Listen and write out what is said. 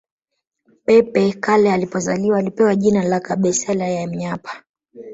Pepe Kalle alipozaliwa alipewa jina la Kabasele Yampanya